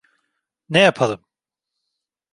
Ne yapalım?